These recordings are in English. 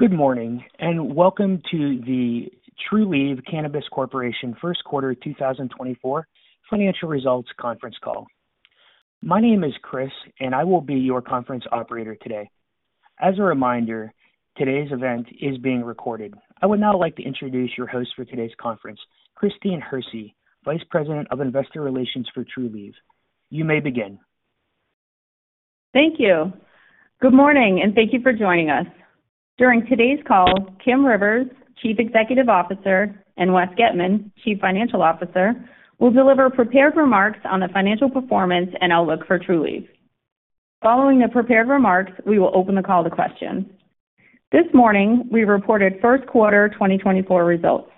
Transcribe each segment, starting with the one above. Good morning and welcome to the Trulieve Cannabis Corporation First Quarter 2024 Financial Results Conference Call. My name is Chris and I will be your conference operator today. As a reminder, today's event is being recorded. I would now like to introduce your host for today's conference, Christine Hersey, Vice President of Investor Relations for Trulieve. You may begin. Thank you. Good morning and thank you for joining us. During today's call, Kim Rivers, Chief Executive Officer, and Wes Getman, Chief Financial Officer, will deliver prepared remarks on the financial performance and outlook for Trulieve. Following the prepared remarks, we will open the call to questions. This morning we reported First Quarter 2024 results.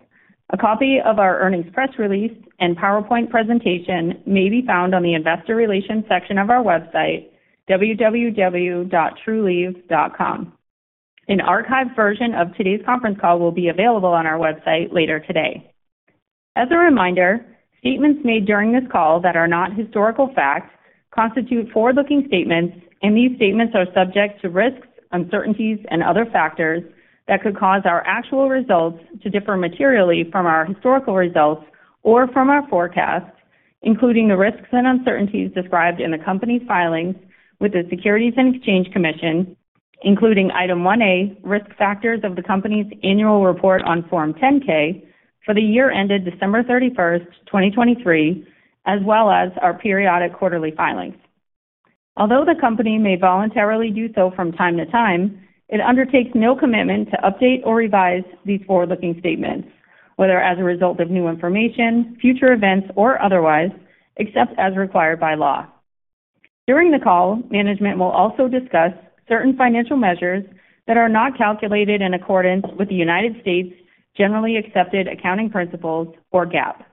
A copy of our earnings press release and PowerPoint presentation may be found on the Investor Relations section of our website, www.trulieve.com. An archived version of today's conference call will be available on our website later today. As a reminder, statements made during this call that are not historical facts constitute forward-looking statements, and these statements are subject to risks, uncertainties, and other factors that could cause our actual results to differ materially from our historical results or from our forecast, including the risks and uncertainties described in the company's filings with the Securities and Exchange Commission, including Item 1A, risk factors of the company's annual report on Form 10-K for the year ended December 31st, 2023, as well as our periodic quarterly filings. Although the company may voluntarily do so from time to time, it undertakes no commitment to update or revise these forward-looking statements, whether as a result of new information, future events, or otherwise, except as required by law. During the call, management will also discuss certain financial measures that are not calculated in accordance with the United States' Generally Accepted Accounting Principles, or GAAP.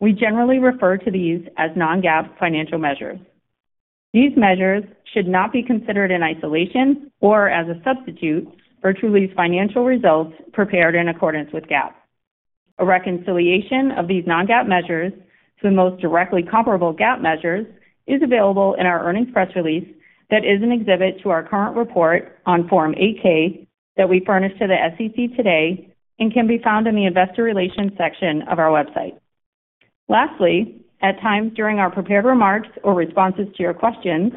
We generally refer to these as non-GAAP financial measures. These measures should not be considered in isolation or as a substitute for Trulieve's financial results prepared in accordance with GAAP. A reconciliation of these non-GAAP measures to the most directly comparable GAAP measures is available in our earnings press release that is an exhibit to our current report on Form 8-K that we furnished to the SEC today and can be found in the Investor Relations section of our website. Lastly, at times during our prepared remarks or responses to your questions,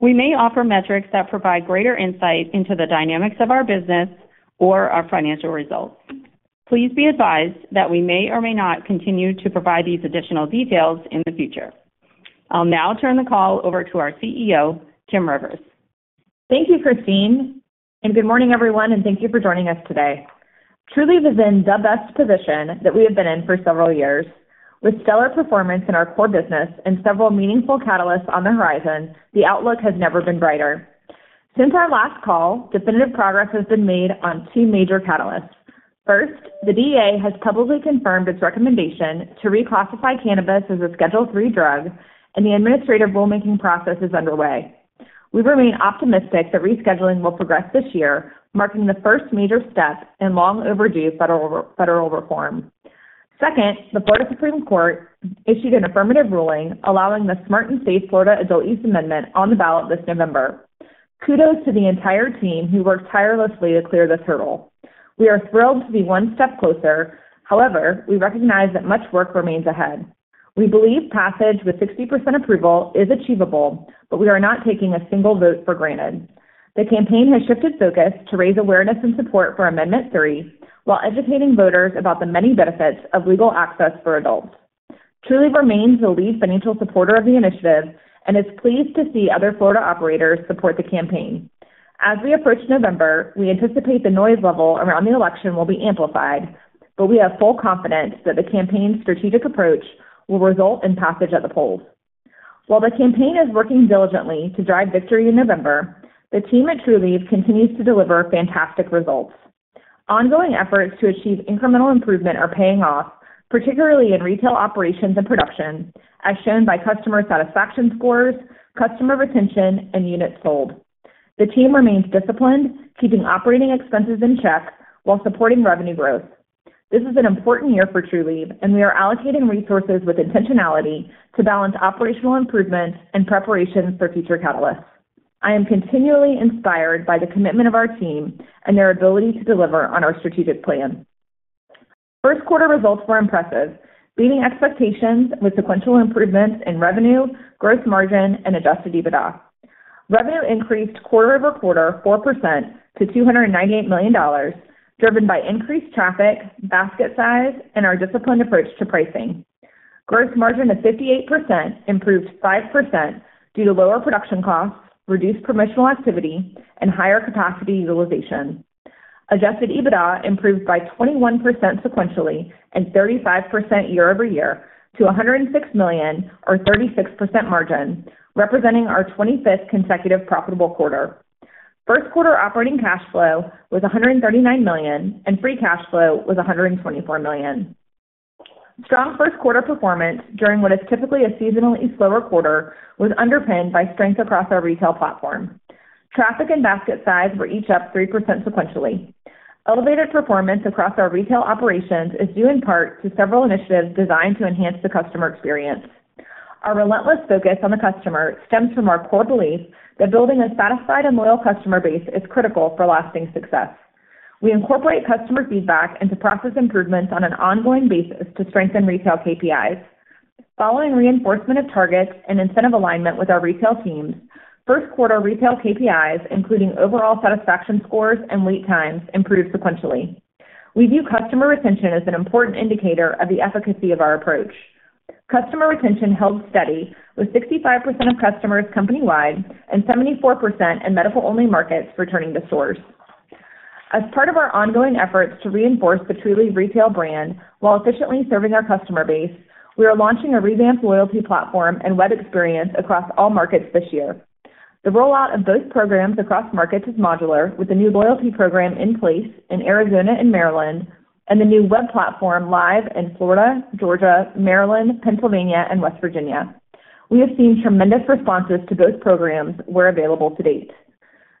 we may offer metrics that provide greater insight into the dynamics of our business or our financial results. Please be advised that we may or may not continue to provide these additional details in the future. I'll now turn the call over to our CEO, Kim Rivers. Thank you, Christine. And good morning, everyone, and thank you for joining us today. Trulieve is in the best position that we have been in for several years. With stellar performance in our core business and several meaningful catalysts on the horizon, the outlook has never been brighter. Since our last call, definitive progress has been made on two major catalysts. First, the DEA has publicly confirmed its recommendation to reclassify cannabis as a Schedule III drug, and the administrative rulemaking process is underway. We remain optimistic that rescheduling will progress this year, marking the first major step in long-overdue federal reform. Second, the Florida Supreme Court issued an affirmative ruling allowing the Smart & Safe Florida Adult Use Amendment on the ballot this November. Kudos to the entire team who worked tirelessly to clear this hurdle. We are thrilled to be one step closer. However, we recognize that much work remains ahead. We believe passage with 60% approval is achievable, but we are not taking a single vote for granted. The campaign has shifted focus to raise awareness and support for Amendment 3 while educating voters about the many benefits of legal access for adults. Trulieve remains the lead financial supporter of the initiative and is pleased to see other Florida operators support the campaign. As we approach November, we anticipate the noise level around the election will be amplified, but we have full confidence that the campaign's strategic approach will result in passage at the polls. While the campaign is working diligently to drive victory in November, the team at Trulieve continues to deliver fantastic results. Ongoing efforts to achieve incremental improvement are paying off, particularly in retail operations and production, as shown by customer satisfaction scores, customer retention, and units sold. The team remains disciplined, keeping operating expenses in check while supporting revenue growth. This is an important year for Trulieve, and we are allocating resources with intentionality to balance operational improvement and preparations for future catalysts. I am continually inspired by the commitment of our team and their ability to deliver on our strategic plan. First Quarter results were impressive, beating expectations with sequential improvements in revenue, gross margin, and adjusted EBITDA. Revenue increased quarter-over-quarter 4% to $298 million, driven by increased traffic, basket size, and our disciplined approach to pricing. Gross margin of 58% improved 5% due to lower production costs, reduced promotional activity, and higher capacity utilization. Adjusted EBITDA improved by 21% sequentially and 35% year-over-year to $106 million or 36% margin, representing our 25th consecutive profitable quarter. First Quarter operating cash flow was $139 million and free cash flow was $124 million. Strong First Quarter performance during what is typically a seasonally slower quarter was underpinned by strength across our retail platform. Traffic and basket size were each up 3% sequentially. Elevated performance across our retail operations is due in part to several initiatives designed to enhance the customer experience. Our relentless focus on the customer stems from our core belief that building a satisfied and loyal customer base is critical for lasting success. We incorporate customer feedback into process improvements on an ongoing basis to strengthen retail KPIs. Following reinforcement of targets and incentive alignment with our retail teams, First Quarter retail KPIs, including overall satisfaction scores and wait times, improved sequentially. We view customer retention as an important indicator of the efficacy of our approach. Customer retention held steady, with 65% of customers company-wide and 74% in medical-only markets returning to stores. As part of our ongoing efforts to reinforce the Trulieve retail brand while efficiently serving our customer base, we are launching a revamped loyalty platform and web experience across all markets this year. The rollout of both programs across markets is modular, with the new loyalty program in place in Arizona and Maryland and the new web platform live in Florida, Georgia, Maryland, Pennsylvania, and West Virginia. We have seen tremendous responses to both programs where available to date.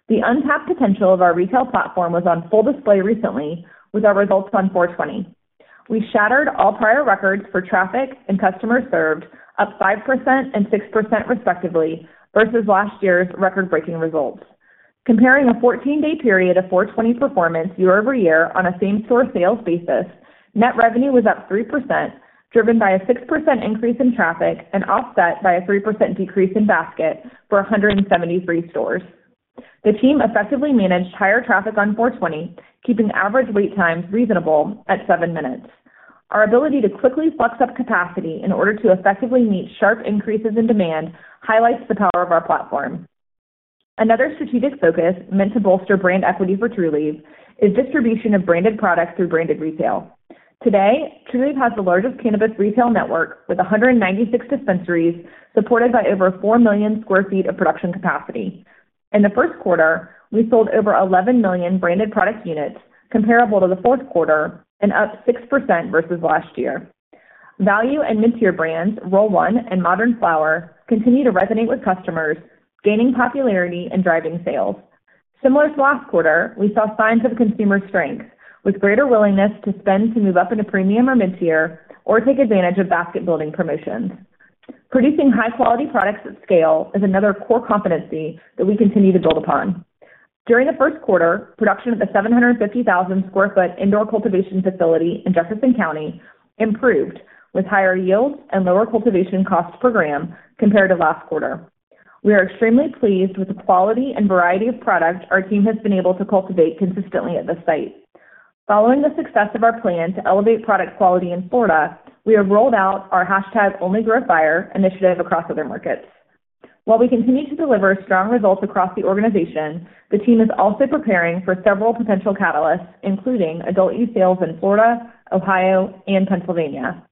The untapped potential of our retail platform was on full display recently, with our results on 4/20. We shattered all prior records for traffic and customers served, up 5% and 6% respectively, versus last year's record-breaking results. Comparing a 14-day period of 4/20 performance year-over-year on a same-store sales basis, net revenue was up 3%, driven by a 6% increase in traffic and offset by a 3% decrease in basket for 173 stores. The team effectively managed higher traffic on 4/20, keeping average wait times reasonable at seven minutes. Our ability to quickly flex up capacity in order to effectively meet sharp increases in demand highlights the power of our platform. Another strategic focus meant to bolster brand equity for Trulieve is distribution of branded products through branded retail. Today, Trulieve has the largest cannabis retail network with 196 dispensaries supported by over 4 million sq ft of production capacity. In the first quarter, we sold over 11 million branded product units comparable to the fourth quarter and up 6% versus last year. Value and mid-tier brands Roll One and Modern Flower continue to resonate with customers, gaining popularity and driving sales. Similar to last quarter, we saw signs of consumer strength with greater willingness to spend to move up into premium or mid-tier or take advantage of basket-building promotions. Producing high-quality products at scale is another core competency that we continue to build upon. During the first quarter, production at the 750,000 sq ft indoor cultivation facility in Jefferson County improved with higher yields and lower cultivation costs per gram compared to last quarter. We are extremely pleased with the quality and variety of product our team has been able to cultivate consistently at this site. Following the success of our plan to elevate product quality in Florida, we have rolled out our #OnlyGrowFire initiative across other markets. While we continue to deliver strong results across the organization, the team is also preparing for several potential catalysts, including Adult Use sales in Florida, Ohio, and Pennsylvania.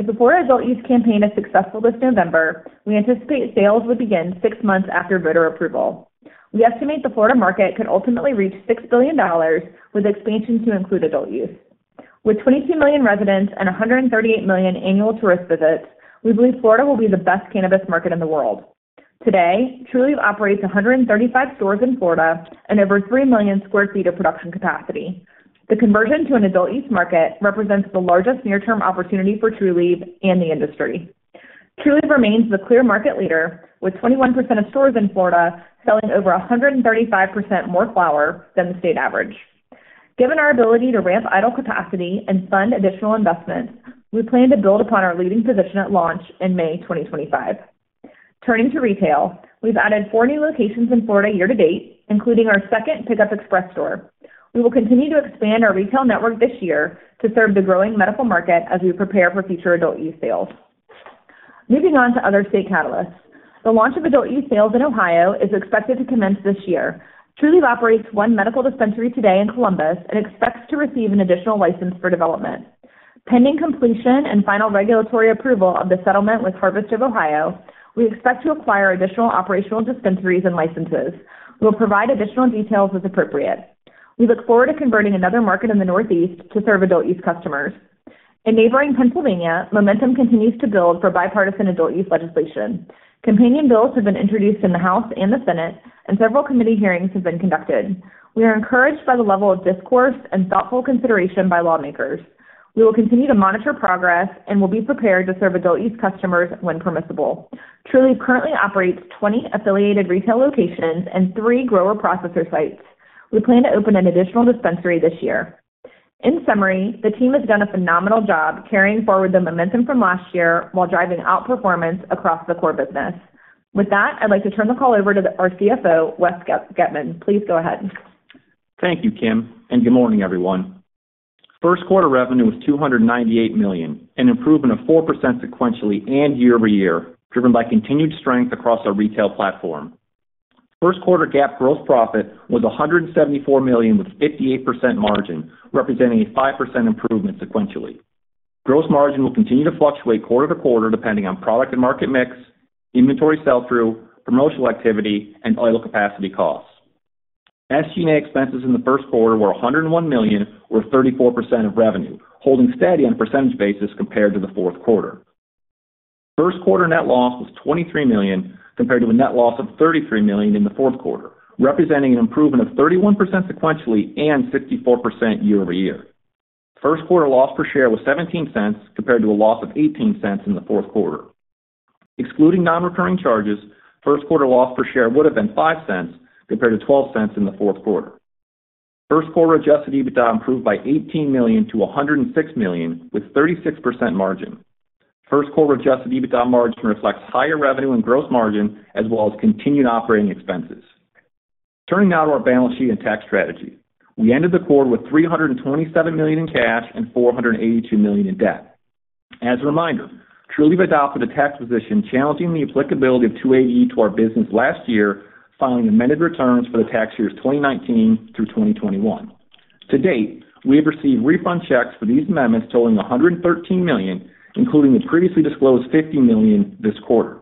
If the Florida Adult Use Campaign is successful this November, we anticipate sales would begin six months after voter approval. We estimate the Florida market could ultimately reach $6 billion with expansion to include Adult Use. With 22 million residents and 138 million annual tourist visits, we believe Florida will be the best cannabis market in the world. Today, Trulieve operates 135 stores in Florida and over 3 million sq ft of production capacity. The conversion to an Adult Use market represents the largest near-term opportunity for Trulieve and the industry. Trulieve remains the clear market leader, with 21% of stores in Florida selling over 135% more flower than the state average. Given our ability to ramp idle capacity and fund additional investments, we plan to build upon our leading position at launch in May 2025. Turning to retail, we've added four new locations in Florida year to date, including our second pickup express store. We will continue to expand our retail network this year to serve the growing medical market as we prepare for future Adult Use sales. Moving on to other state catalysts, the launch of Adult Use sales in Ohio is expected to commence this year. Trulieve operates one medical dispensary today in Columbus and expects to receive an additional license for development. Pending completion and final regulatory approval of the settlement with Harvest of Ohio, we expect to acquire additional operational dispensaries and licenses. We'll provide additional details as appropriate. We look forward to converting another market in the Northeast to serve Adult Use customers. In neighboring Pennsylvania, momentum continues to build for bipartisan Adult Use legislation. Companion bills have been introduced in the House and the Senate, and several committee hearings have been conducted. We are encouraged by the level of discourse and thoughtful consideration by lawmakers. We will continue to monitor progress and will be prepared to serve Adult Use customers when permissible. Trulieve currently operates 20 affiliated retail locations and three grower processor sites. We plan to open an additional dispensary this year. In summary, the team has done a phenomenal job carrying forward the momentum from last year while driving out performance across the core business. With that, I'd like to turn the call over to our CFO, Wes Getman. Please go ahead. Thank you, Kim, and good morning, everyone. First Quarter revenue was $298 million, an improvement of 4% sequentially and year-over-year, driven by continued strength across our retail platform. First Quarter GAAP gross profit was $174 million with a 58% margin, representing a 5% improvement sequentially. Gross margin will continue to fluctuate quarter to quarter depending on product and market mix, inventory sell-through, promotional activity, and idle capacity costs. SG&A expenses in the first quarter were $101 million, or 34% of revenue, holding steady on a percentage basis compared to the fourth quarter. First Quarter net loss was $23 million compared to a net loss of $33 million in the fourth quarter, representing an improvement of 31% sequentially and 64% year-over-year. First Quarter loss per share was $0.17 compared to a loss of $0.18 in the fourth quarter. Excluding non-recurring charges, First Quarter loss per share would have been $0.05 compared to $0.12 in the fourth quarter. First Quarter Adjusted EBITDA improved by $18 million to $106 million with a 36% margin. First Quarter Adjusted EBITDA margin reflects higher revenue and gross margin as well as continued operating expenses. Turning now to our balance sheet and tax strategy, we ended the quarter with $327 million in cash and $482 million in debt. As a reminder, Trulieve adopted a tax position challenging the applicability of 280E to our business last year, filing amended returns for the tax years 2019 through 2021. To date, we have received refund checks for these amendments totaling $113 million, including the previously disclosed $50 million this quarter.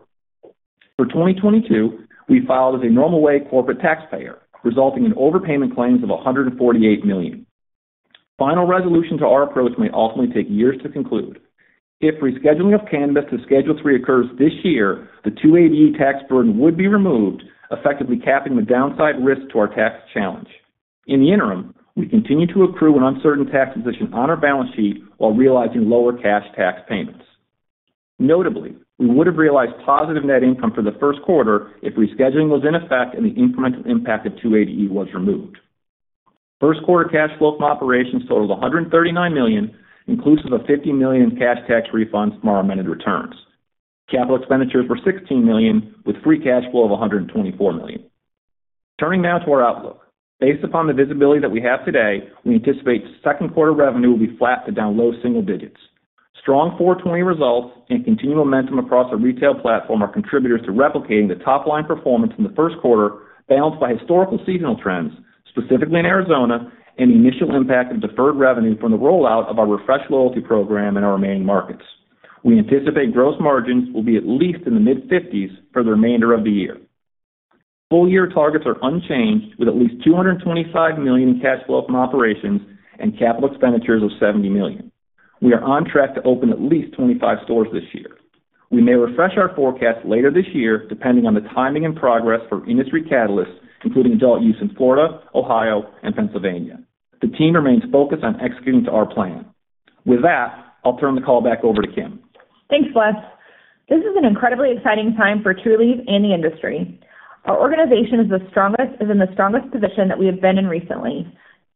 For 2022, we filed as a normal-way corporate taxpayer, resulting in overpayment claims of $148 million. Final resolution to our approach may ultimately take years to conclude. If rescheduling of cannabis to Schedule III occurs this year, the 280E tax burden would be removed, effectively capping the downside risk to our tax challenge. In the interim, we continue to accrue an uncertain tax position on our balance sheet while realizing lower cash tax payments. Notably, we would have realized positive net income for the first quarter if rescheduling was in effect and the incremental impact of 280E was removed. First Quarter cash flow from operations totaled $139 million, inclusive of $50 million in cash tax refunds from our amended returns. Capital expenditures were $16 million, with free cash flow of $124 million. Turning now to our outlook, based upon the visibility that we have today, we anticipate Second Quarter revenue will be flat to down low single digits. Strong 4/20 results and continued momentum across our retail platform are contributors to replicating the top-line performance in the first quarter balanced by historical seasonal trends, specifically in Arizona, and the initial impact of deferred revenue from the rollout of our refreshed loyalty program in our remaining markets. We anticipate gross margins will be at least in the mid-50s for the remainder of the year. Full-year targets are unchanged, with at least $225 million in cash flow from operations and capital expenditures of $70 million. We are on track to open at least 25 stores this year. We may refresh our forecast later this year depending on the timing and progress for industry catalysts, including adult use in Florida, Ohio, and Pennsylvania. The team remains focused on executing to our plan. With that, I'll turn the call back over to Kim. Thanks, Wes. This is an incredibly exciting time for Trulieve and the industry. Our organization is in the strongest position that we have been in recently.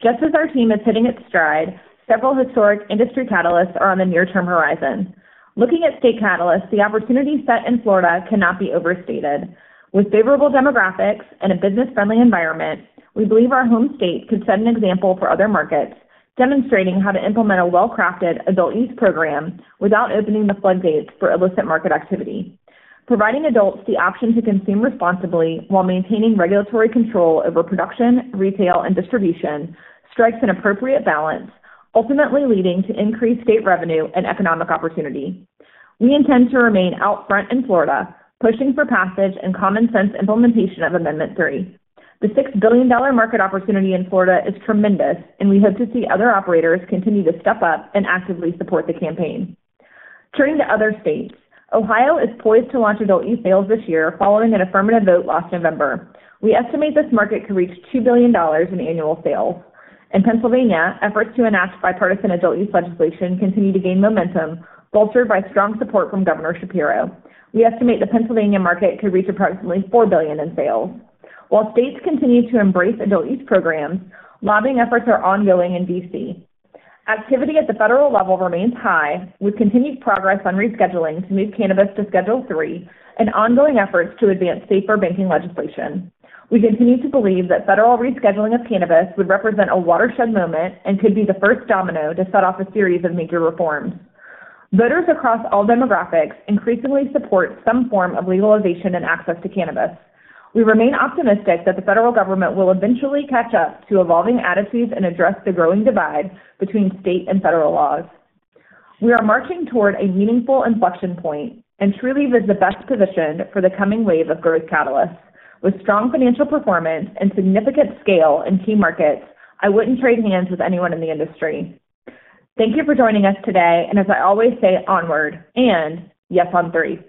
Just as our team is hitting its stride, several historic industry catalysts are on the near-term horizon. Looking at state catalysts, the opportunities set in Florida cannot be overstated. With favorable demographics and a business-friendly environment, we believe our home state could set an example for other markets, demonstrating how to implement a well-crafted adult use program without opening the floodgates for illicit market activity. Providing adults the option to consume responsibly while maintaining regulatory control over production, retail, and distribution strikes an appropriate balance, ultimately leading to increased state revenue and economic opportunity. We intend to remain out front in Florida, pushing for passage and common sense implementation of Amendment 3. The $6 billion market opportunity in Florida is tremendous, and we hope to see other operators continue to step up and actively support the campaign. Turning to other states, Ohio is poised to launch Adult Use sales this year following an affirmative vote last November. We estimate this market could reach $2 billion in annual sales. In Pennsylvania, efforts to enact bipartisan Adult Use legislation continue to gain momentum, bolstered by strong support from Governor Shapiro. We estimate the Pennsylvania market could reach approximately $4 billion in sales. While states continue to embrace Adult Use programs, lobbying efforts are ongoing in D.C. Activity at the federal level remains high, with continued progress on rescheduling to move cannabis to Schedule III and ongoing efforts to advance safer banking legislation. We continue to believe that federal rescheduling of cannabis would represent a watershed moment and could be the first domino to set off a series of major reforms. Voters across all demographics increasingly support some form of legalization and access to cannabis. We remain optimistic that the federal government will eventually catch up to evolving attitudes and address the growing divide between state and federal laws. We are marching toward a meaningful inflection point, and Trulieve is the best positioned for the coming wave of growth catalysts. With strong financial performance and significant scale in key markets, I wouldn't trade hands with anyone in the industry. Thank you for joining us today, and as I always say, onward. And yes, on three.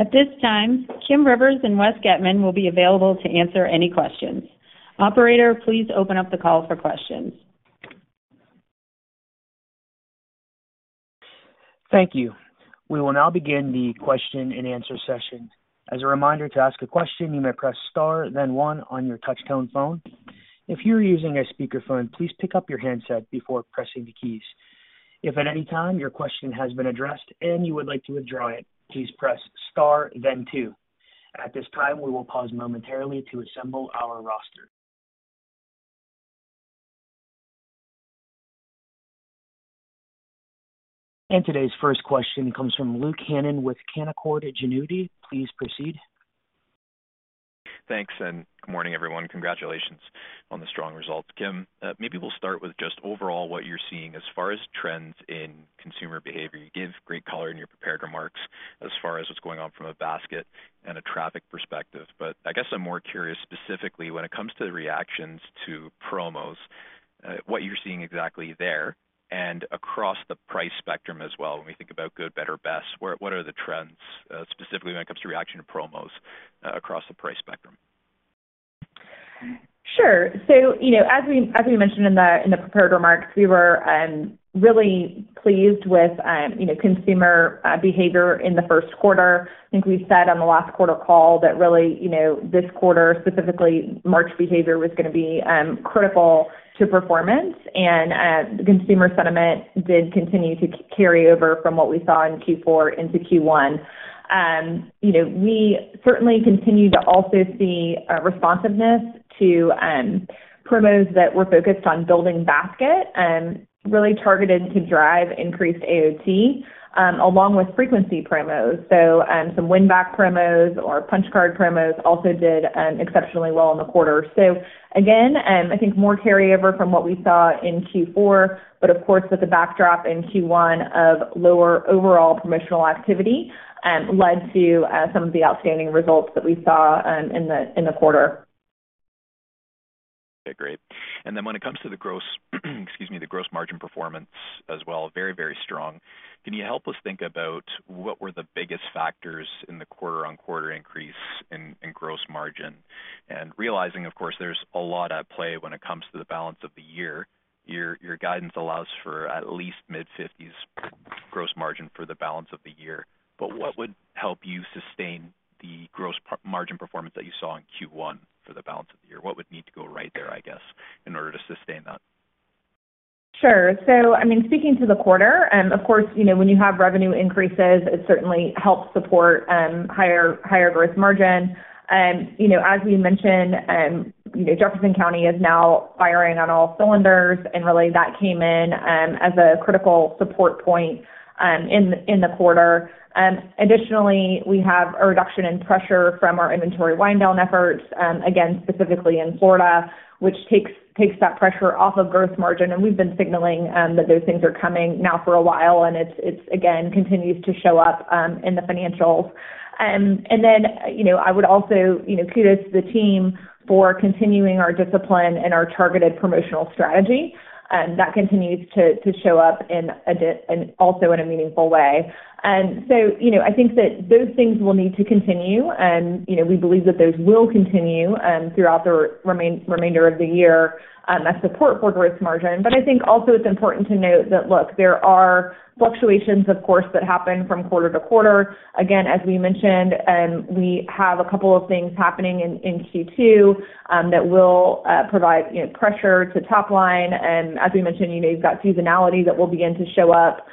At this time, Kim Rivers and Wes Getman will be available to answer any questions. Operator, please open up the call for questions. Thank you. We will now begin the question-and-answer session. As a reminder, to ask a question, you may press star, then one, on your touch-tone phone. If you are using a speakerphone, please pick up your handset before pressing the keys. If at any time your question has been addressed and you would like to withdraw it, please press star, then two. At this time, we will pause momentarily to assemble our roster. Today's first question comes from Luke Hannan with Canaccord Genuity. Please proceed. Thanks, and good morning, everyone. Congratulations on the strong results. Kim, maybe we'll start with just overall what you're seeing as far as trends in consumer behavior. You gave great color in your prepared remarks as far as what's going on from a basket and a traffic perspective, but I guess I'm more curious specifically when it comes to the reactions to promos, what you're seeing exactly there and across the price spectrum as well. When we think about good, better, best, what are the trends, specifically when it comes to reaction to promos across the price spectrum? Sure. So as we mentioned in the prepared remarks, we were really pleased with consumer behavior in the first quarter. I think we said on the last quarter call that really this quarter, specifically March behavior, was going to be critical to performance, and the consumer sentiment did continue to carry over from what we saw in Q4 into Q1. We certainly continue to also see responsiveness to promos that were focused on building basket, really targeted to drive increased AOT, along with frequency promos. So some win-back promos or punch card promos also did exceptionally well in the quarter. So again, I think more carryover from what we saw in Q4, but of course, with the backdrop in Q1 of lower overall promotional activity, led to some of the outstanding results that we saw in the quarter. Okay, great. And then when it comes to the gross, excuse me, the gross margin performance as well, very, very strong. Can you help us think about what were the biggest factors in the quarter-on-quarter increase in gross margin? And realizing, of course, there's a lot at play when it comes to the balance of the year. Your guidance allows for at least mid-50s gross margin for the balance of the year, but what would help you sustain the gross margin performance that you saw in Q1 for the balance of the year? What would need to go right there, I guess, in order to sustain that? Sure. So I mean, speaking to the quarter, of course, when you have revenue increases, it certainly helps support higher gross margin. As we mentioned, Jefferson County is now firing on all cylinders, and really that came in as a critical support point in the quarter. Additionally, we have a reduction in pressure from our inventory wind-down efforts, again, specifically in Florida, which takes that pressure off of gross margin. And we've been signaling that those things are coming now for a while, and it, again, continues to show up in the financials. And then I would also kudos the team for continuing our discipline and our targeted promotional strategy. That continues to show up also in a meaningful way. And so I think that those things will need to continue, and we believe that those will continue throughout the remainder of the year as support for gross margin. But I think also it's important to note that, look, there are fluctuations, of course, that happen from quarter to quarter. Again, as we mentioned, we have a couple of things happening in Q2 that will provide pressure to topline. As we mentioned, you've got seasonality that will begin to show up,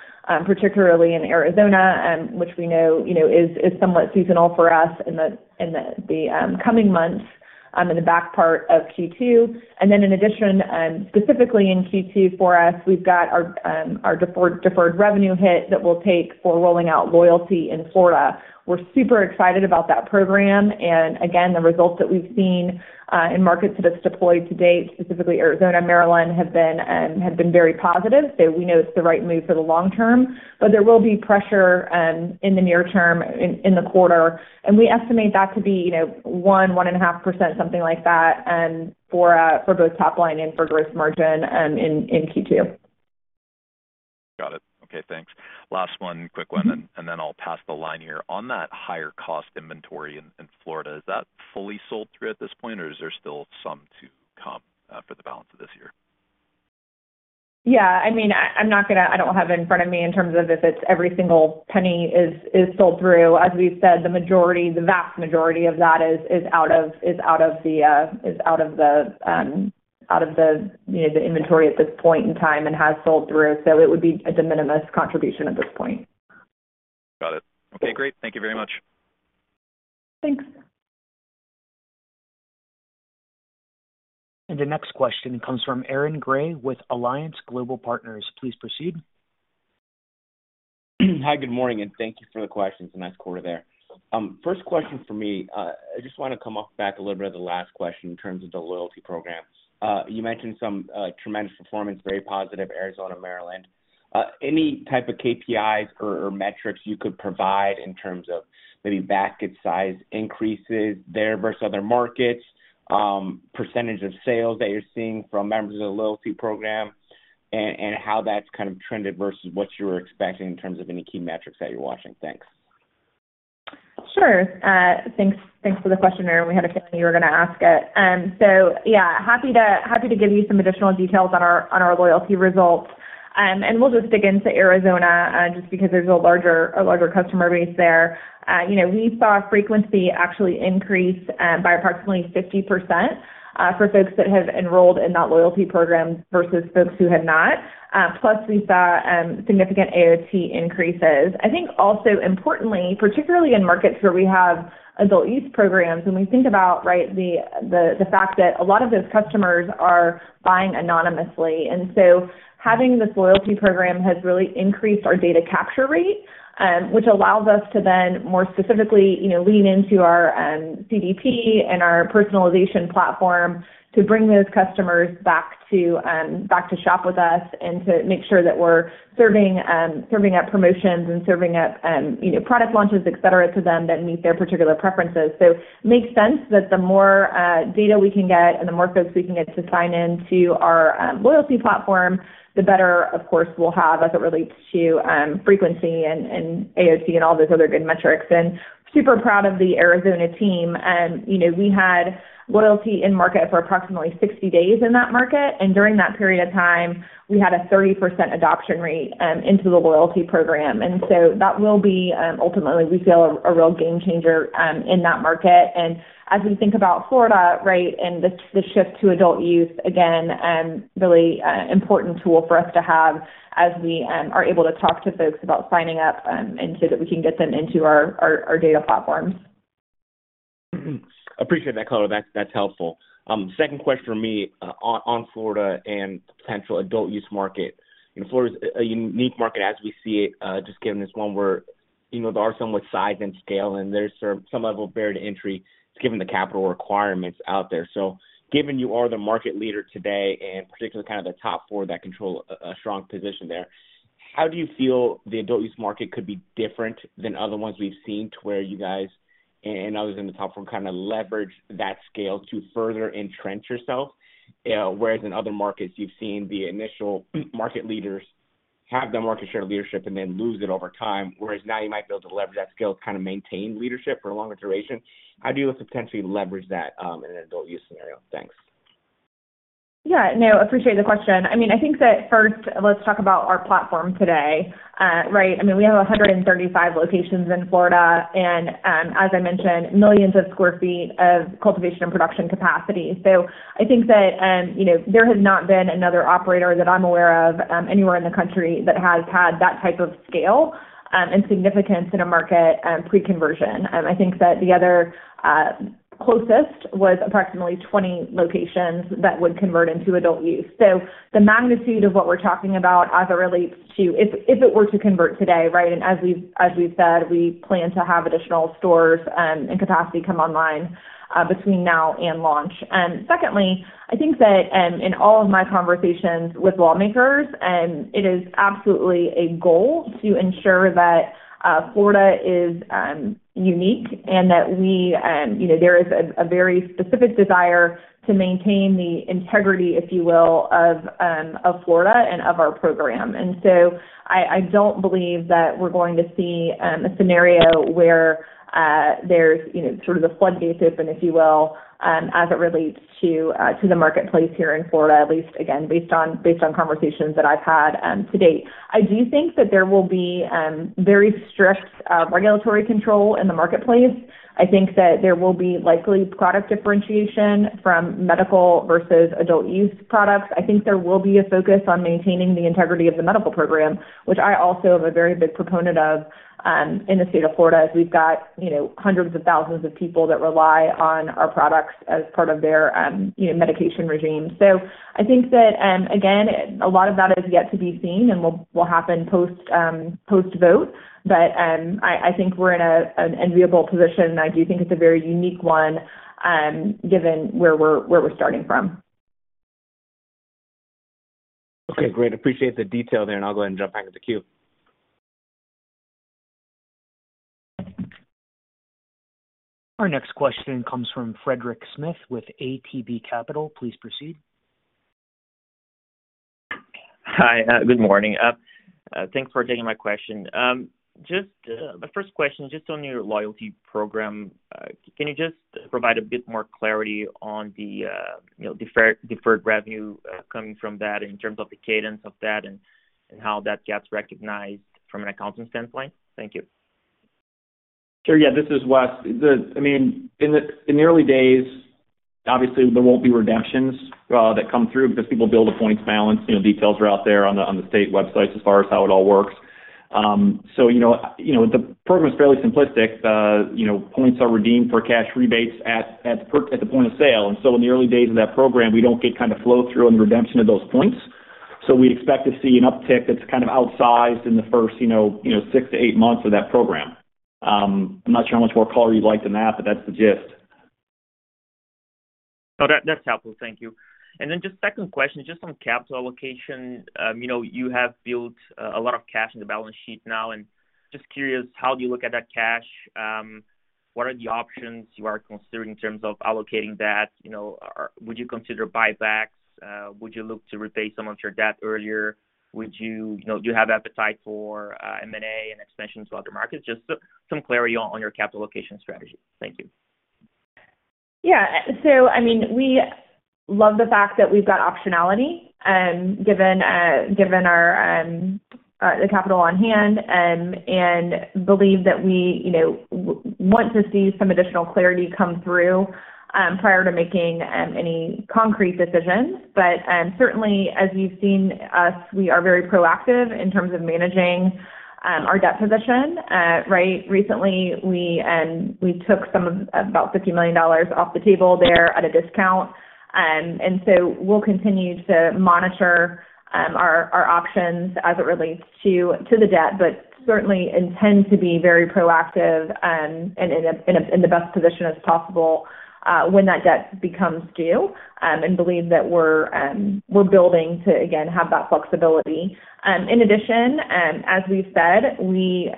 particularly in Arizona, which we know is somewhat seasonal for us in the coming months in the back part of Q2. And then in addition, specifically in Q2 for us, we've got our deferred revenue hit that will take for rolling out loyalty in Florida. We're super excited about that program. And again, the results that we've seen in markets that have deployed to date, specifically Arizona, Maryland, have been very positive. So we know it's the right move for the long term, but there will be pressure in the near term, in the quarter. We estimate that to be 1%-1.5%, something like that, for both topline and for gross margin in Q2. Got it. Okay, thanks. Last one, quick one, and then I'll pass the line here. On that higher-cost inventory in Florida, is that fully sold through at this point, or is there still some to come for the balance of this year? Yeah. I mean, I'm not going to. I don't have it in front of me in terms of if every single penny is sold through. As we've said, the vast majority of that is out of the inventory at this point in time and has sold through. So it would be a de minimis contribution at this point. Got it. Okay, great. Thank you very much. Thanks. The next question comes from Aaron Grey with Alliance Global Partners. Please proceed. Hi, good morning, and thank you for the questions. Nice quarter there. First question for me, I just want to come off back a little bit of the last question in terms of the loyalty program. You mentioned some tremendous performance, very positive, Arizona, Maryland. Any type of KPIs or metrics you could provide in terms of maybe basket size increases there versus other markets, percentage of sales that you're seeing from members of the loyalty program, and how that's kind of trended versus what you were expecting in terms of any key metrics that you're watching? Thanks. Sure. Thanks for the question, Aaron. We had a feeling you were going to ask it. So yeah, happy to give you some additional details on our loyalty results. We'll just dig into Arizona just because there's a larger customer base there. We saw frequency actually increase by approximately 50% for folks that have enrolled in that loyalty program versus folks who have not. Plus, we saw significant AOT increases. I think also importantly, particularly in markets where we have adult use programs, when we think about the fact that a lot of those customers are buying anonymously. So having this loyalty program has really increased our data capture rate, which allows us to then more specifically lean into our CDP and our personalization platform to bring those customers back to shop with us and to make sure that we're serving up promotions and serving up product launches, etc., to them that meet their particular preferences. So it makes sense that the more data we can get and the more folks we can get to sign into our loyalty platform, the better, of course, we'll have as it relates to frequency and AOT and all those other good metrics. Super proud of the Arizona team. We had loyalty in market for approximately 60 days in that market, and during that period of time, we had a 30% adoption rate into the loyalty program. And so that will be ultimately, we feel, a real game changer in that market. And as we think about Florida, right, and the shift to Adult Use, again, really important tool for us to have as we are able to talk to folks about signing up and so that we can get them into our data platforms. Appreciate that, Kyle. That's helpful. Second question for me on Florida and the potential adult use market. Florida is a unique market as we see it. Just given this one, where there are some with size and scale, and there's some level of barrier to entry. It's given the capital requirements out there. So given you are the market leader today and particularly kind of the top four that control a strong position there, how do you feel the adult use market could be different than other ones we've seen to where you guys and others in the top four kind of leverage that scale to further entrench yourself? Whereas in other markets, you've seen the initial market leaders have the market share of leadership and then lose it over time, whereas now you might be able to leverage that scale to kind of maintain leadership for a longer duration. How do you potentially leverage that in an Adult Use scenario? Thanks. Yeah. No, appreciate the question. I mean, I think that first, let's talk about our platform today, right? I mean, we have 135 locations in Florida and, as I mentioned, millions of square feet of cultivation and production capacity. So I think that there has not been another operator that I'm aware of anywhere in the country that has had that type of scale and significance in a market pre-conversion. I think that the other closest was approximately 20 locations that would convert into Adult Use. So the magnitude of what we're talking about as it relates to if it were to convert today, right, and as we've said, we plan to have additional stores and capacity come online between now and launch. Secondly, I think that in all of my conversations with lawmakers, it is absolutely a goal to ensure that Florida is unique and that there is a very specific desire to maintain the integrity, if you will, of Florida and of our program. And so I don't believe that we're going to see a scenario where there's sort of the floodgates open, if you will, as it relates to the marketplace here in Florida, at least, again, based on conversations that I've had to date. I do think that there will be very strict regulatory control in the marketplace. I think that there will be likely product differentiation from medical versus adult use products. I think there will be a focus on maintaining the integrity of the medical program, which I also am a very big proponent of in the state of Florida, as we've got hundreds of thousands of people that rely on our products as part of their medication regimen. So I think that, again, a lot of that is yet to be seen and will happen post-vote. But I think we're in an enviable position, and I do think it's a very unique one given where we're starting from. Okay, great. Appreciate the detail there, and I'll go ahead and jump back into queue. Our next question comes from Frederico Gomes with ATB Capital Markets. Please proceed. Hi. Good morning. Thanks for taking my question. My first question, just on your loyalty program, can you just provide a bit more clarity on the deferred revenue coming from that in terms of the cadence of that and how that gets recognized from an accounting standpoint? Thank you. Sure. Yeah, this is Wes. I mean, in the early days, obviously, there won't be redemptions that come through because people build a points balance. Details are out there on the state websites as far as how it all works. So the program is fairly simplistic. The points are redeemed for cash rebates at the point of sale. And so in the early days of that program, we don't get kind of flow-through and redemption of those points. So we expect to see an uptick that's kind of outsized in the first 6-8 months of that program. I'm not sure how much more color you'd like than that, but that's the gist. Oh, that's helpful. Thank you. And then just second question, just on capital allocation, you have built a lot of cash in the balance sheet now. And just curious, how do you look at that cash? What are the options you are considering in terms of allocating that? Would you consider buybacks? Would you look to repay some of your debt earlier? Do you have appetite for M&A and expansion to other markets? Just some clarity on your capital allocation strategy. Thank you. Yeah. So I mean, we love the fact that we've got optionality given the capital on hand and believe that we want to see some additional clarity come through prior to making any concrete decisions. But certainly, as you've seen us, we are very proactive in terms of managing our debt position, right? Recently, we took about $50 million off the table there at a discount. And so we'll continue to monitor our options as it relates to the debt, but certainly intend to be very proactive and in the best position as possible when that debt becomes due and believe that we're building to, again, have that flexibility. In addition, as we've said, we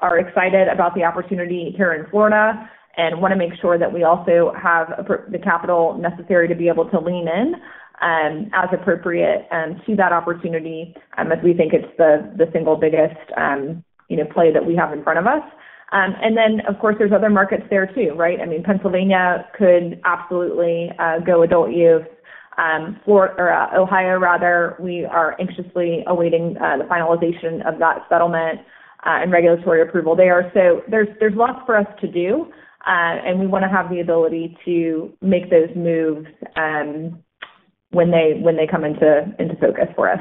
are excited about the opportunity here in Florida and want to make sure that we also have the capital necessary to be able to lean in as appropriate to that opportunity as we think it's the single biggest play that we have in front of us. And then, of course, there's other markets there too, right? I mean, Pennsylvania could absolutely go adult use. Ohio, rather, we are anxiously awaiting the finalization of that settlement and regulatory approval there. So there's lots for us to do, and we want to have the ability to make those moves when they come into focus for us.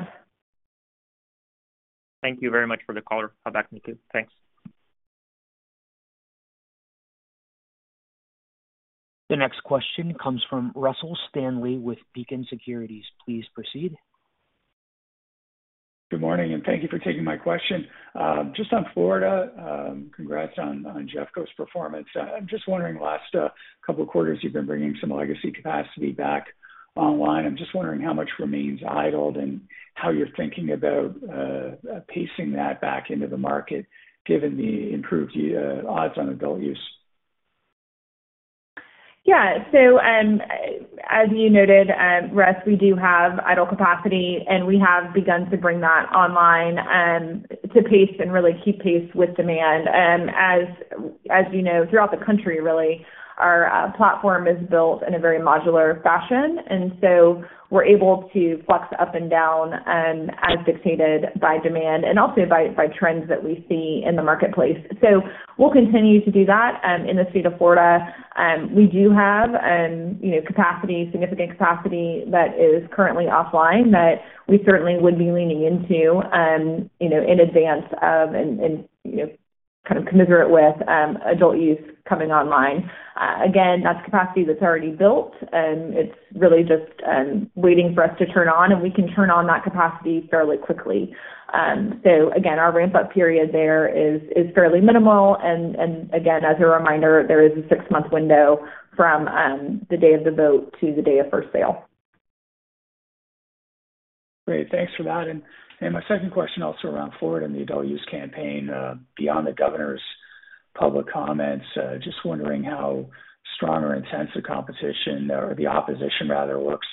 Thank you very much for the caller. I'll back into queue. Thanks. The next question comes from Russell Stanley with Beacon Securities. Please proceed. Good morning, and thank you for taking my question. Just on Florida, congrats on Jefferson County's performance. I'm just wondering, last couple of quarters, you've been bringing some legacy capacity back online. I'm just wondering how much remains idled and how you're thinking about pacing that back into the market given the improved odds on adult use. Yeah. So as you noted, Res, we do have idle capacity, and we have begun to bring that online to pace and really keep pace with demand. As you know, throughout the country, really, our platform is built in a very modular fashion. And so we're able to flex up and down as dictated by demand and also by trends that we see in the marketplace. So we'll continue to do that in the state of Florida. We do have significant capacity that is currently offline that we certainly would be leaning into in advance of and kind of commiserate with adult use coming online. Again, that's capacity that's already built. It's really just waiting for us to turn on, and we can turn on that capacity fairly quickly. So again, our ramp-up period there is fairly minimal. Again, as a reminder, there is a six-month window from the day of the vote to the day of first sale. Great. Thanks for that. My second question also around Florida and the adult use campaign beyond the governor's public comments, just wondering how strong or intense the competition or the opposition, rather, works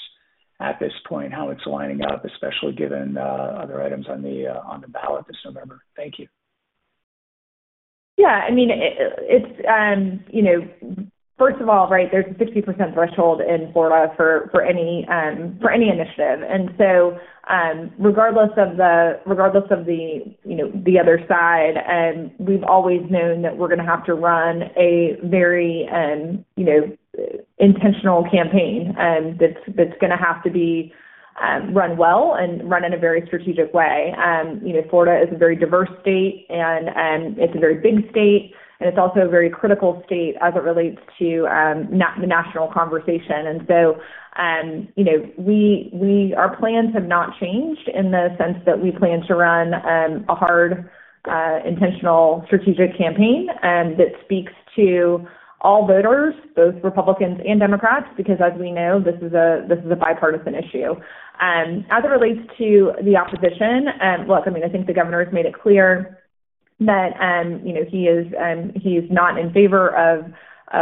at this point, how it's lining up, especially given other items on the ballot this November. Thank you. Yeah. I mean, first of all, right, there's a 60% threshold in Florida for any initiative. And so regardless of the other side, we've always known that we're going to have to run a very intentional campaign that's going to have to be run well and run in a very strategic way. Florida is a very diverse state, and it's a very big state, and it's also a very critical state as it relates to the national conversation. And so our plans have not changed in the sense that we plan to run a hard, intentional, strategic campaign that speaks to all voters, both Republicans and Democrats, because as we know, this is a bipartisan issue. As it relates to the opposition, look, I mean, I think the governor has made it clear that he is not in favor of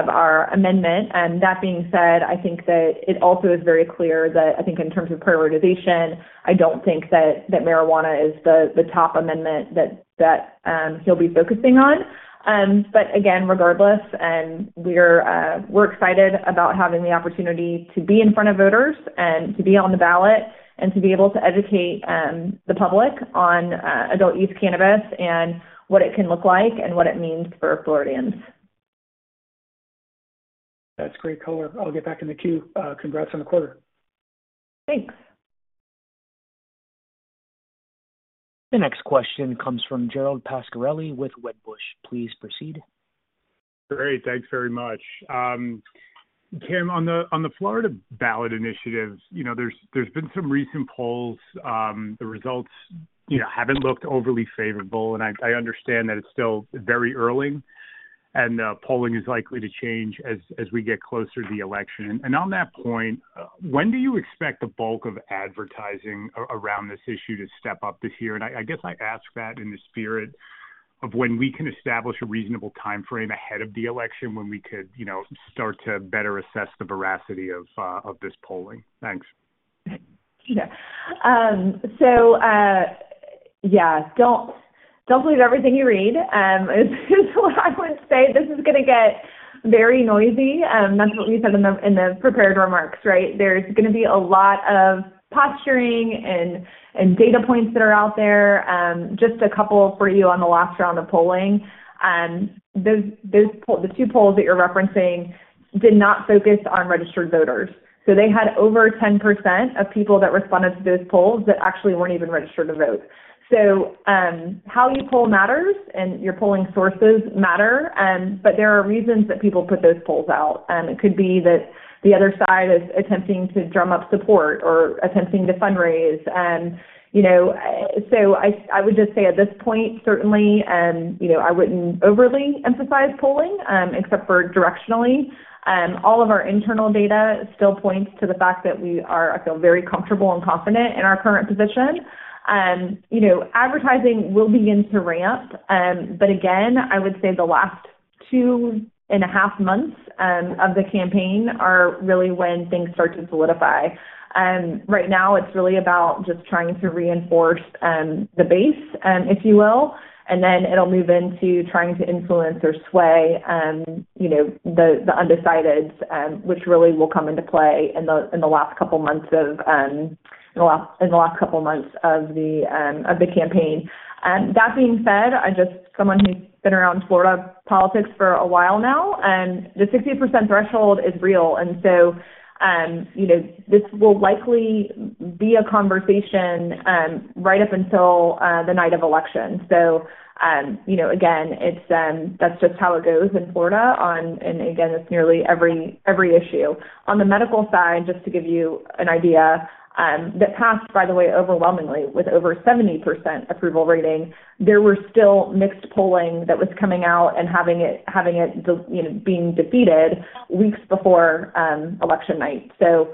our amendment. That being said, I think that it also is very clear that I think in terms of prioritization, I don't think that marijuana is the top amendment that he'll be focusing on. But again, regardless, we're excited about having the opportunity to be in front of voters and to be on the ballot and to be able to educate the public on adult use cannabis and what it can look like and what it means for Floridians. That's great, Kyle. I'll get back into queue. Congrats on the quarter. Thanks. The next question comes from Gerald Pascarelli with Wedbush. Please proceed. Great. Thanks very much. Kim, on the Florida ballot initiative, there's been some recent polls. The results haven't looked overly favorable, and I understand that it's still very early, and polling is likely to change as we get closer to the election. And on that point, when do you expect the bulk of advertising around this issue to step up this year? And I guess I ask that in the spirit of when we can establish a reasonable timeframe ahead of the election when we could start to better assess the veracity of this polling. Thanks. Yeah. So yeah, don't believe everything you read. This is what I would say. This is going to get very noisy. That's what we said in the prepared remarks, right? There's going to be a lot of posturing and data points that are out there. Just a couple for you on the last round of polling. The two polls that you're referencing did not focus on registered voters. So they had over 10% of people that responded to those polls that actually weren't even registered to vote. So how you poll matters, and your polling sources matter, but there are reasons that people put those polls out. It could be that the other side is attempting to drum up support or attempting to fundraise. So I would just say at this point, certainly, I wouldn't overly emphasize polling except for directionally. All of our internal data still points to the fact that we feel very comfortable and confident in our current position. Advertising will begin to ramp, but again, I would say the last 2.5 months of the campaign are really when things start to solidify. Right now, it's really about just trying to reinforce the base, if you will, and then it'll move into trying to influence or sway the undecided, which really will come into play in the last couple of months of the campaign. That being said, someone who's been around Florida politics for a while now, the 60% threshold is real. And so this will likely be a conversation right up until the night of election. So again, that's just how it goes in Florida. And again, it's nearly every issue. On the medical side, just to give you an idea, that passed, by the way, overwhelmingly with over 70% approval rating. There were still mixed polling that was coming out and having it being defeated weeks before election night. So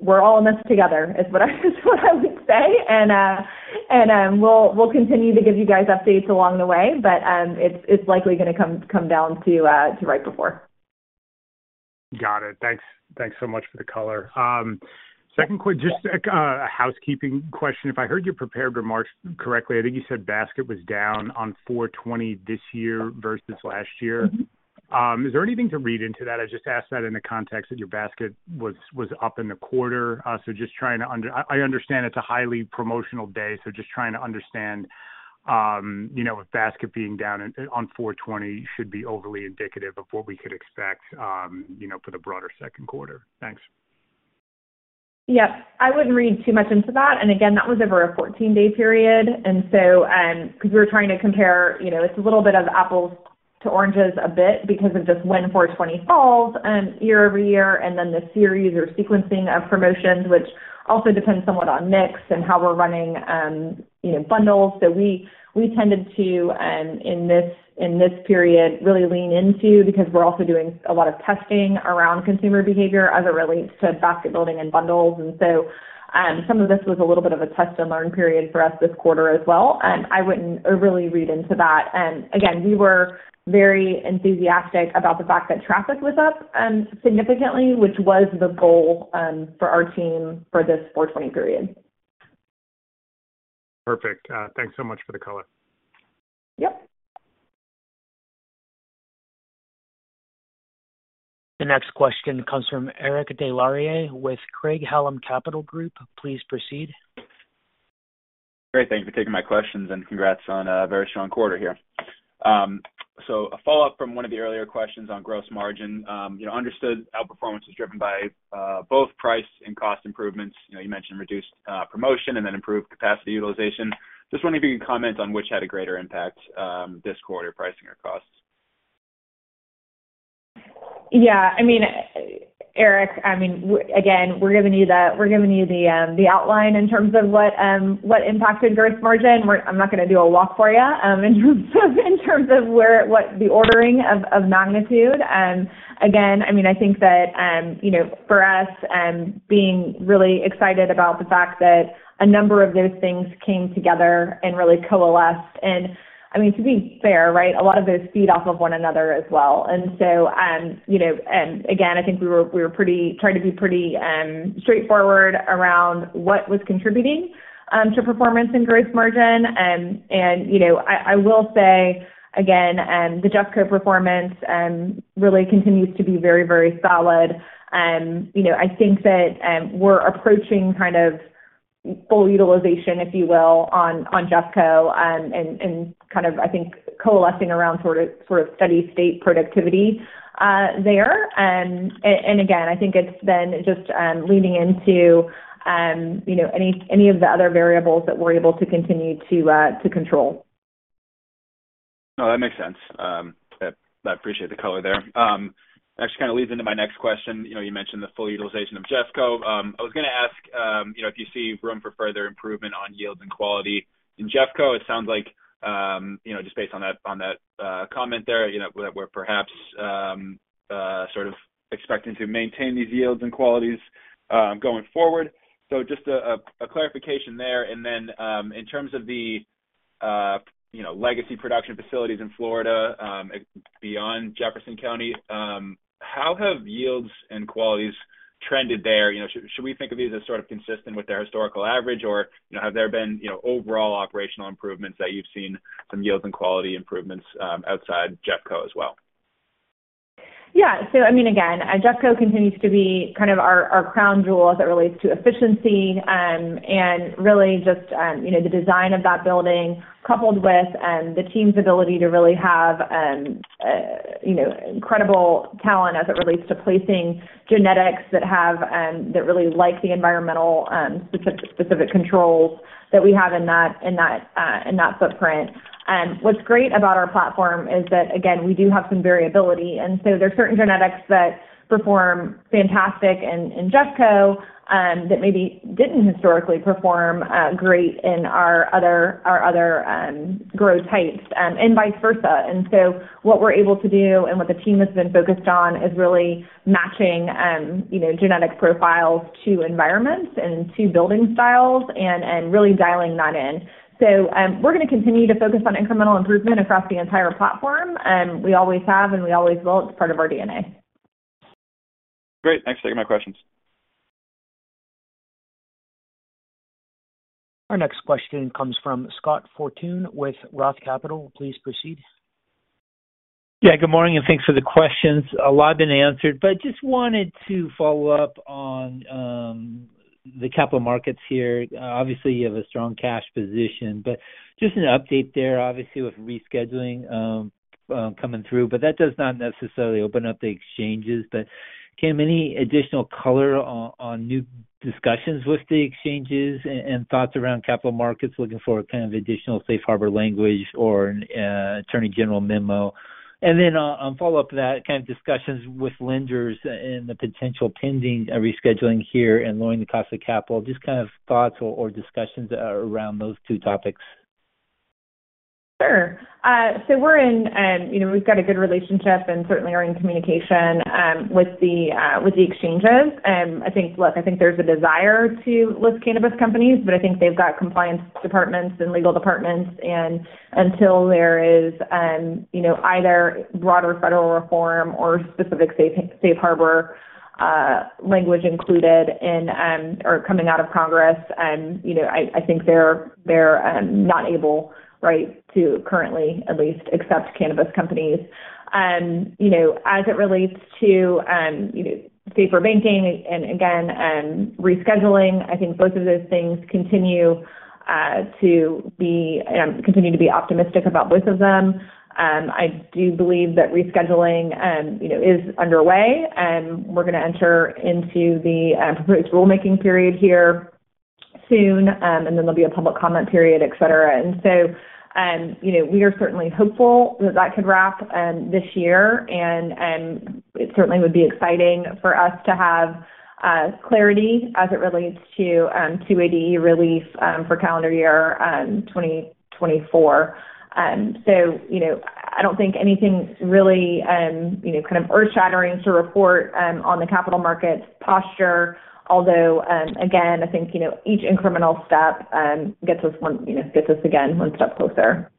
we're all in this together is what I would say. And we'll continue to give you guys updates along the way, but it's likely going to come down to right before. Got it. Thanks so much for the color. Second quick, just a housekeeping question. If I heard your prepared remarks correctly, I think you said basket was down on 4/20 this year versus last year. Is there anything to read into that? I just asked that in the context that your basket was up in the quarter. So just trying to understand it's a highly promotional day, so just trying to understand with basket being down on 4/20 should be overly indicative of what we could expect for the broader second quarter. Thanks. Yep. I wouldn't read too much into that. And again, that was over a 14-day period because we were trying to compare. It's a little bit of apples to oranges a bit because of just when 4/20 falls year-over-year and then the series or sequencing of promotions, which also depends somewhat on mix and how we're running bundles. So we tended to, in this period, really lean into, because we're also doing a lot of testing around consumer behavior as it relates to basket building and bundles. And so some of this was a little bit of a test-and-learn period for us this quarter as well. I wouldn't overly read into that. Again, we were very enthusiastic about the fact that traffic was up significantly, which was the goal for our team for this 4/20 period. Perfect. Thanks so much for the color. Yep. The next question comes from Eric Des Lauriers with Craig-Hallum Capital Group. Please proceed. Great. Thanks for taking my questions, and congrats on a very strong quarter here. A follow-up from one of the earlier questions on gross margin. Understood outperformance was driven by both price and cost improvements. You mentioned reduced promotion and then improved capacity utilization. Just wondering if you could comment on which had a greater impact this quarter, pricing or costs? Yeah. I mean, Eric, I mean, again, we're giving you the outline in terms of what impacted gross margin. I'm not going to do a walk for you in terms of the order of magnitude. Again, I mean, I think that for us, being really excited about the fact that a number of those things came together and really coalesced and I mean, to be fair, right, a lot of those feed off of one another as well. And so again, I think we tried to be pretty straightforward around what was contributing to performance and gross margin. And I will say, again, the Jeffco performance really continues to be very, very solid. I think that we're approaching kind of full utilization, if you will, on Jeffco and kind of, I think, coalescing around sort of steady state productivity there. And again, I think it's then just leaning into any of the other variables that we're able to continue to control. No, that makes sense. I appreciate the color there. Actually, kind of leads into my next question. You mentioned the full utilization of Jefferson County. I was going to ask if you see room for further improvement on yields and quality. In Jefferson County, it sounds like just based on that comment there, we're perhaps sort of expecting to maintain these yields and qualities going forward. So just a clarification there. And then in terms of the legacy production facilities in Florida beyond Jefferson County, how have yields and qualities trended there? Should we think of these as sort of consistent with their historical average, or have there been overall operational improvements that you've seen some yields and quality improvements outside Jefferson County as well? Yeah. So I mean, again, Jeffco continues to be kind of our crown jewel as it relates to efficiency and really just the design of that building coupled with the team's ability to really have incredible talent as it relates to placing genetics that really like the environmental specific controls that we have in that footprint. What's great about our platform is that, again, we do have some variability. And so there are certain genetics that perform fantastic in Jeffco that maybe didn't historically perform great in our other grow types and vice versa. And so what we're able to do and what the team has been focused on is really matching genetic profiles to environments and to building styles and really dialing that in. So we're going to continue to focus on incremental improvement across the entire platform. We always have, and we always will. It's part of our DNA. Great. Thanks for taking my questions. Our next question comes from Scott Fortune with Roth Capital. Please proceed. Yeah. Good morning, and thanks for the questions. A lot have been answered, but just wanted to follow up on the capital markets here. Obviously, you have a strong cash position, but just an update there, obviously, with rescheduling coming through. But that does not necessarily open up the exchanges. But Kim, any additional color on new discussions with the exchanges and thoughts around capital markets, looking for kind of additional safe harbor language or attorney general memo? And then on follow-up to that, kind of discussions with lenders and the potential pending rescheduling here and lowering the cost of capital, just kind of thoughts or discussions around those two topics. Sure. So we're in, we've got a good relationship and certainly are in communication with the exchanges. Look, I think there's a desire to list cannabis companies, but I think they've got compliance departments and legal departments. And until there is either broader federal reform or specific safe harbor language included or coming out of Congress, I think they're not able, right, to currently, at least, accept cannabis companies. As it relates to safer banking and again, rescheduling, I think both of those things continue to be and I continue to be optimistic about both of them. I do believe that rescheduling is underway. We're going to enter into the proposed rulemaking period here soon, and then there'll be a public comment period, etc. And so we are certainly hopeful that that could wrap this year. It certainly would be exciting for us to have clarity as it relates to 280E relief for calendar year 2024. I don't think anything really kind of earth-shattering to report on the capital markets posture, although again, I think each incremental step gets us one step closer.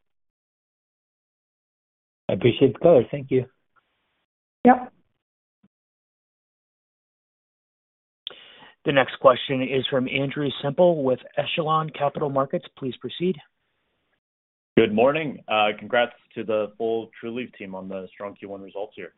I appreciate the color. Thank you. Yep. The next question is from Andrew Semple with Echelon Capital Markets. Please proceed. Good morning. Congrats to the full Trulieve team on the strong Q1 results here.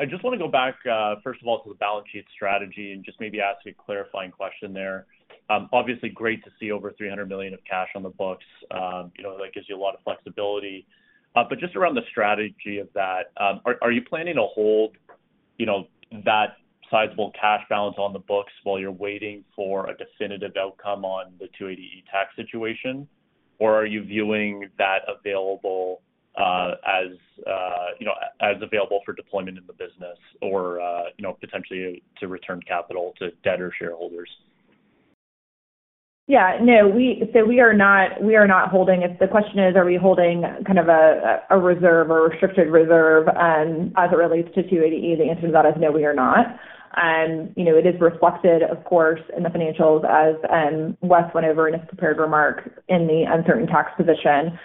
I just want to go back, first of all, to the balance sheet strategy and just maybe ask a clarifying question there. Obviously, great to see over $300 million of cash on the books. That gives you a lot of flexibility. But just around the strategy of that, are you planning to hold that sizable cash balance on the books while you're waiting for a definitive outcome on the 280E tax situation, or are you viewing that available as available for deployment in the business or potentially to return capital to debt or shareholders? Yeah. No. So we are not holding. If the question is, are we holding kind of a reserve or restricted reserve as it relates to 280E, the answer to that is no, we are not. It is reflected, of course, in the financials as Wes went over in his prepared remark in the uncertain tax position.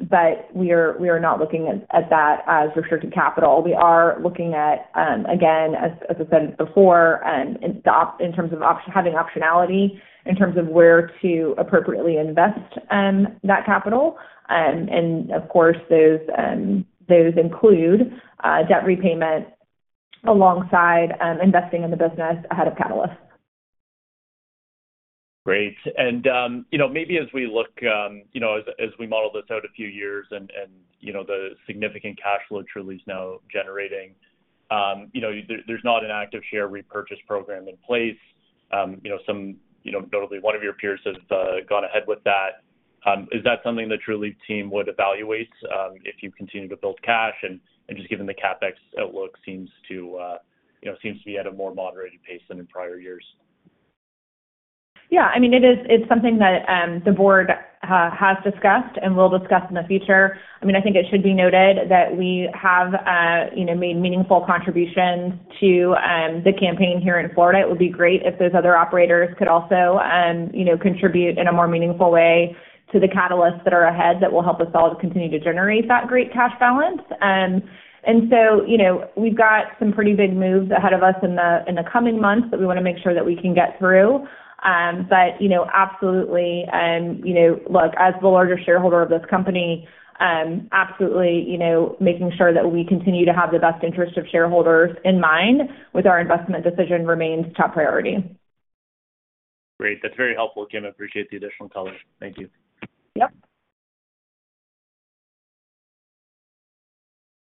But we are not looking at that as restricted capital. We are looking at, again, as I said before, in terms of having optionality in terms of where to appropriately invest that capital. And of course, those include debt repayment alongside investing in the business ahead of catalysts. Great. And maybe as we look, as we model this out a few years and the significant cash flow Trulieve's now generating, there's not an active share repurchase program in place. Notably, one of your peers has gone ahead with that. Is that something the Trulieve team would evaluate if you continue to build cash? And just given the CapEx outlook, seems to be at a more moderated pace than in prior years. Yeah. I mean, it's something that the board has discussed and will discuss in the future. I mean, I think it should be noted that we have made meaningful contributions to the campaign here in Florida. It would be great if those other operators could also contribute in a more meaningful way to the catalysts that are ahead that will help us all continue to generate that great cash balance. And so we've got some pretty big moves ahead of us in the coming months that we want to make sure that we can get through. But absolutely, look, as the larger shareholder of this company, absolutely making sure that we continue to have the best interest of shareholders in mind with our investment decision remains top priority. Great. That's very helpful, Kim. I appreciate the additional color. Thank you. Yep.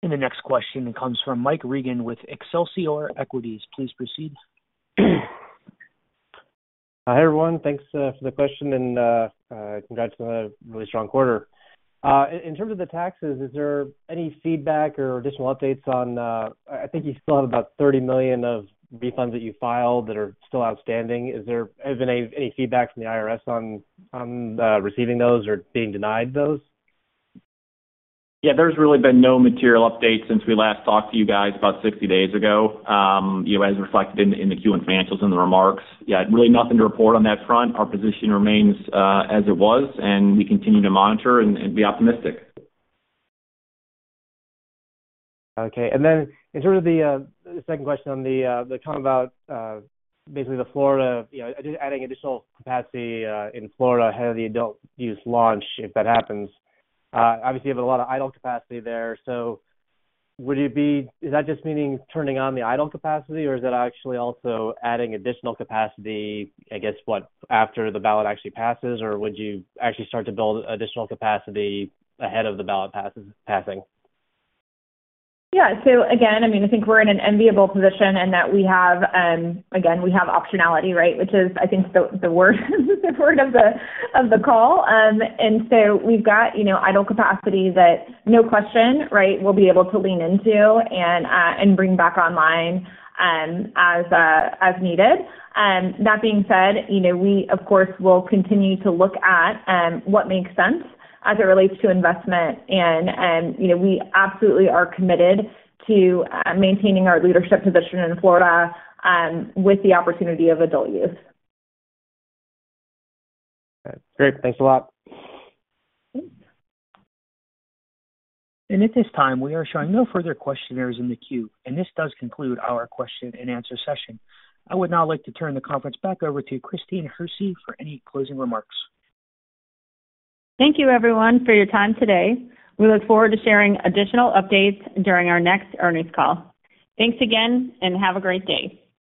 The next question comes from Mike Regan with Excelsior Equities. Please proceed. Hi, everyone. Thanks for the question, and congrats on a really strong quarter. In terms of the taxes, is there any feedback or additional updates on I think you still have about $30 million of refunds that you filed that are still outstanding? Has there been any feedback from the IRS on receiving those or being denied those? Yeah. There's really been no material update since we last talked to you guys about 60 days ago as reflected in the Q1 financials and the remarks. Yeah, really nothing to report on that front. Our position remains as it was, and we continue to monitor and be optimistic. Okay. And then, in terms of the second question on talking about basically the Florida adding additional capacity in Florida ahead of the adult use launch, if that happens, obviously, you have a lot of idle capacity there. So, would it be, is that just meaning turning on the idle capacity, or is that actually also adding additional capacity, I guess, after the ballot actually passes, or would you actually start to build additional capacity ahead of the ballot passing? Yeah. So again, I mean, I think we're in an enviable position in that we have again, we have optionality, right, which is, I think, the word of the call. And so we've got idle capacity that, no question, right, we'll be able to lean into and bring back online as needed. That being said, we, of course, will continue to look at what makes sense as it relates to investment. And we absolutely are committed to maintaining our leadership position in Florida with the opportunity of Adult Use. Great. Thanks a lot. Thanks. At this time, we are showing no further questionnaires in the queue, and this does conclude our question-and-answer session. I would now like to turn the conference back over to Christine Hersey for any closing remarks. Thank you, everyone, for your time today. We look forward to sharing additional updates during our next earnings call. Thanks again, and have a great day.